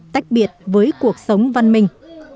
tách biệt với cuộc sống văn minh